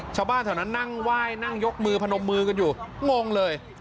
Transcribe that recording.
ชาวบ้านแถวนั้นนั่งไหว้นั่งยกมือพนมมือกันอยู่งงเลย